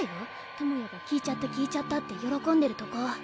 智也が「聞いちゃった聞いちゃった」って喜んでるとこ。